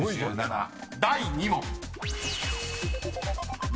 第２問］